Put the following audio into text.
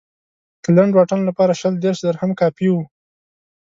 د لنډ واټن لپاره شل دېرش درهم کافي و.